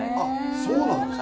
そうなんですか！